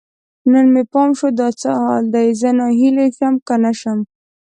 نن مې پام شو، دا څه حال دی؟ زه ناهیلی شم که نه شم